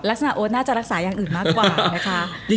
ลักษณะโอ๊ดน่าจะรักษายังอื่นมากกว่านะคะ